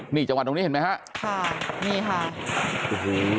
หลบจังหวัดที่ตรงนี้เห็นไหมค่ะ